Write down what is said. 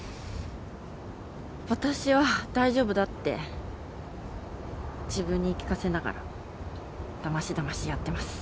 私は大丈夫だって自分に言い聞かせながらだましだましやってます。